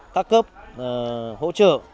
các cấp hỗ trợ